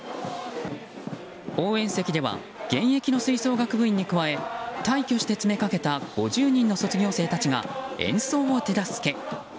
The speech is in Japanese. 応援席では現役の吹奏楽部員に加えた大挙して詰めかけた５０人のＯＢが演奏を手助け。